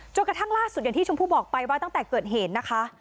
กระทั่งล่าสุดอย่างที่ชมพู่บอกไปว่าตั้งแต่เกิดเหตุนะคะ